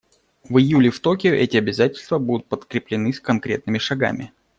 В июле в Токио эти обязательства будут подкреплены конкретными шагами.